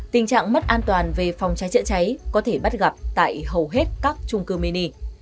tình trạng mất an toàn về phòng cháy chữa cháy có thể bắt gặp tại hầu hết các trung cư mini